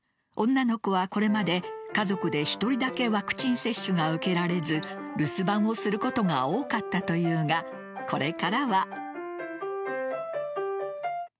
女の子はこれまで家族で１人だけワクチン接種が受けられず留守番をすることが多かったというがこれからは。